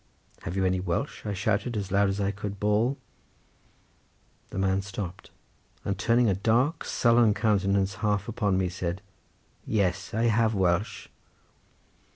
"Have you any Welsh?" I shouted as loud as I could bawl. The man stopped, and turning a dark sullen countenance half upon me said, "Yes, I have Welsh."